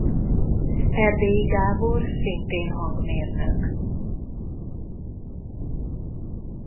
Erdélyi Gábor szintén hangmérnök.